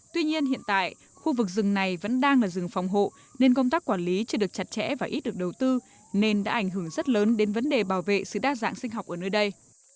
tuy nhiên hiện tại khu vực rừng này vẫn đang là rừng phòng hộ nên công tác quản lý chưa được chặt chẽ và ít được đầu tư nên đã ảnh hưởng rất lớn đến vấn đề bảo vệ sự đa dạng sinh học ở nơi đây